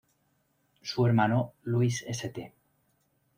Su hermano, Louis St.